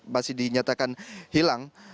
masihitaryatakan hilang reaksi bahwa